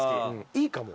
いいかも。